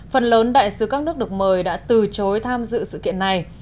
phần lớn đại sứ các nước được mời đã từ chối tham dự sự kiện này